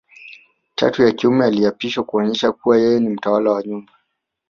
Tatu wa kiume aliapishwa kuonesha kuwa yeye ni mtawala wa nyumba